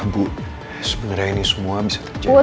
bu sebenarnya ini semua bisa terjadi